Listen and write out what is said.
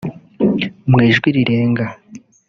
mu ijwi rirenga